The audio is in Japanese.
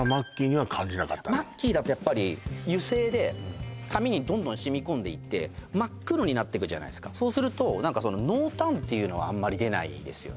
マッキーだとやっぱり油性で紙にどんどん染み込んでいって真っ黒になっていくじゃないすかそうすると濃淡っていうのはあんまり出ないですよね